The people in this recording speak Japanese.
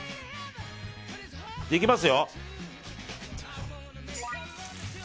いきますよ！